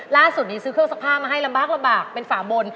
ล่าสุดนี้ซื้อเครื่องซักผ้ามาให้ลำบากลำบากเป็นฝาบน